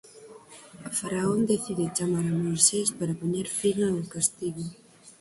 O Faraón decide chamar a Moisés para poñer fin ao castigo.